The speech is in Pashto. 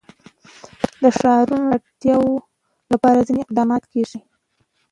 د ښارونو د اړتیاوو لپاره ځینې اقدامات کېږي.